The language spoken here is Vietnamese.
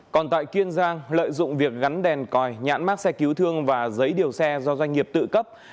còn tại kiên giang lợi dụng việc gắn đèn còi nhãn mát xe cứu thương và giấy điều xe do doanh nghiệp tự cấp